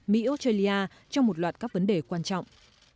mỹ australia trong một loạt các vấn đề quan trọng